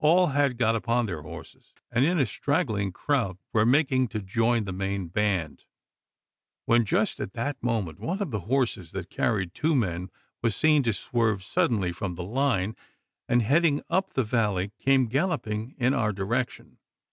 All had got upon their horses, and in a straggling crowd were making to join the main band; when, just at that moment, one of the horses that carried two men was seen to swerve suddenly from the line, and, heading up the valley, come galloping in our direction.